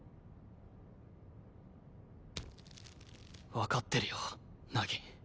わかってるよ凪。